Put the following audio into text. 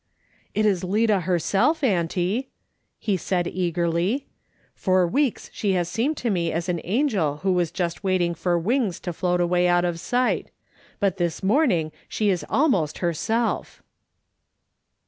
" It is Lida herself, auntie," he said eagerly ;" for weeks she has seemed to me like an angel who was just waiting for wings to float away out of sight; but this morning she is almost herself."